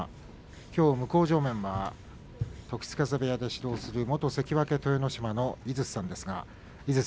きょう向正面は時津風部屋で指導する元関脇豊ノ島の井筒さんです。